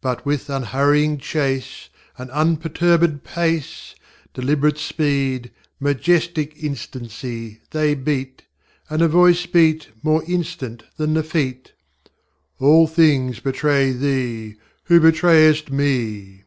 But with unhurrying chase, And unperturb├©d pace, Deliberate speed, majestic instancy, They beatŌĆöand a Voice beat More instant than the FeetŌĆö ŌĆśAll things betray thee, who betrayest Me.